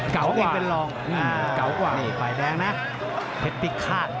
เก๋วกว่าก๋วยเป็นรองอืมเก๋วกว่านี่ฝ่ายแดงนะเพ็ดพิคาต